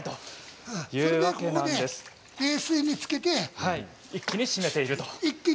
ここで冷水につけて一気に締めて。